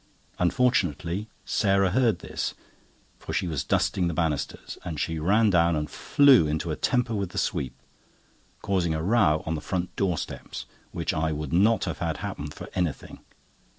Unfortunately, Sarah heard this, for she was dusting the banisters, and she ran down, and flew into a temper with the sweep, causing a row on the front door steps, which I would not have had happen for anything.